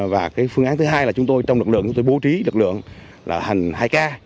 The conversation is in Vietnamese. và phương án thứ hai là chúng tôi trong lực lượng chúng tôi bố trí lực lượng là thành hai ca